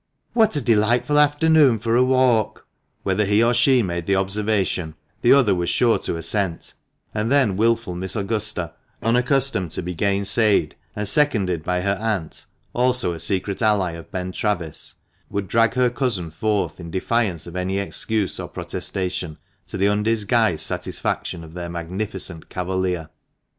"What a delightful afternoon for a walk!" Whether he or she made the observation, the other was sure to assent, and then wilful Miss Augusta, unaccustomed to be gainsaid, and seconded by her aunt, also a secret ally of Ben Travis, would drag her cousin forth in defiance of any excuse or protestation, to the undisguised satisfaction of their magnificent cavalier.